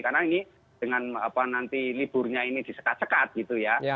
karena ini dengan nanti liburnya ini disekat sekat gitu ya